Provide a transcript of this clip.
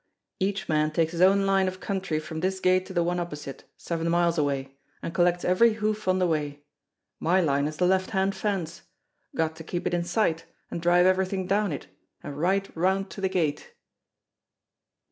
Each man takes his own line of country from this gate to the one opposite seven miles away and collects every hoof on the way. My line is the left hand fence. Got to keep it in sight, and drive everything down it, and right round to the gate."